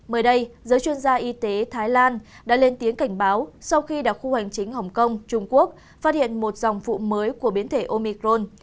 mới đây giới chuyên gia y tế thái lan đã lên tiếng cảnh báo sau khi đặc khu hành chính hồng kông trung quốc phát hiện một dòng phụ mới của biến thể omicron